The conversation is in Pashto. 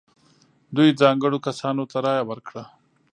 دوی ځانګړو کسانو ته رایه ورکړه.